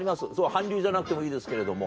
韓流じゃなくてもいいですけれども。